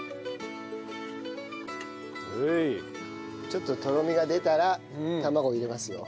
ちょっととろみが出たら卵入れますよ。